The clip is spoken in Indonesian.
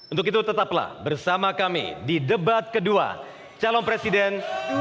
untuk itu tetaplah bersama kami di debat kedua calon presiden dua ribu sembilan belas